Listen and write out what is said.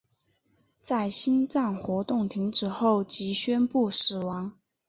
在心脏活动停止后即宣布死亡。